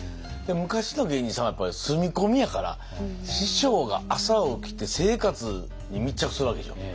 昔の芸人さんはやっぱり住み込みやから師匠が朝起きて生活に密着するわけでしょ。